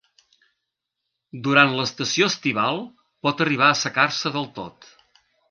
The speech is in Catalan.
Durant l'estació estival pot arribar a assecar-se del tot.